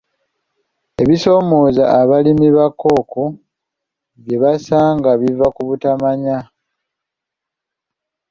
Ebisoomooza abalimi ba kkooko bye basanga biva ku butamanya.